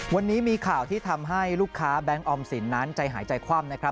วันนี้มีข่าวที่ทำให้ลูกค้าแบงค์ออมสินนั้นใจหายใจคว่ำนะครับ